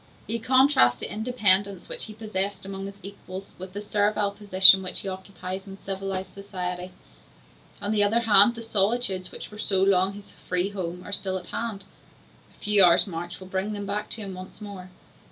He contrasts the independence which he possessed amongst his equals with the servile position which he occupies in civilized society. On the other hand, the solitudes which were so long his free home are still at hand; a few hours' march will bring him back to them once more.